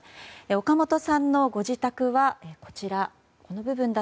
岡本さんのご自宅は、こちら。